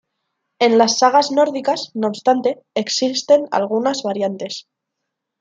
En las sagas nórdicas, no obstante, existen algunas variantes.